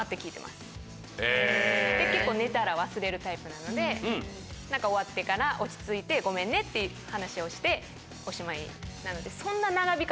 結構寝たら忘れるタイプなので終わってから落ち着いてごめんねって話をしておしまいなので。